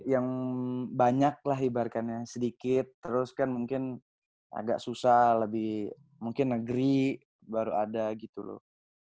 yang banyak lah ibaratkannya sedikit terus kan mungkin agak susah lebih mungkin negeri baru ada gitu loh